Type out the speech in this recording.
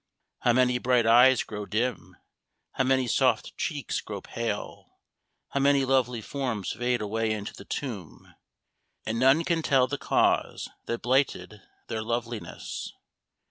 How many bright eyes grow dim how many soft cheeks grow pale how many lovely forms fade away into the tomb, and none can tell the cause that blighted their loveliness!